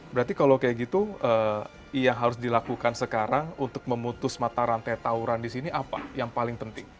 berarti kalau kayak gitu yang harus dilakukan sekarang untuk memutus mata rantai tauran di sini apa yang paling penting